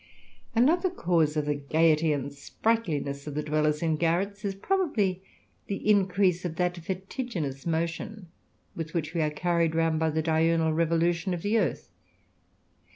Another cause of the gaiety and sprightliness of the dwellers in garrets is probably the increase of that vertiginous motion, with which we are carried round by the diurnal revolution of the earth.